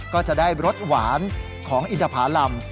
ก็จะได้รสหวานของอินทภารำ